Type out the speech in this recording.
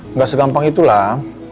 nggak segampang itulah